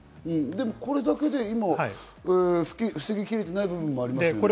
これだけで今、防ぎきれていない部分もありますよね。